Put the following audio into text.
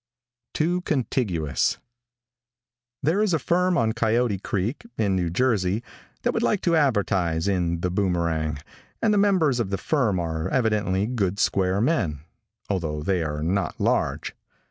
TOO CONTIGUOUS. |THERE is a firm on Coyote creek, in New Jersey, that would like to advertise in The Boomerang, and the members of the firm are evidently good square men, although they are not large.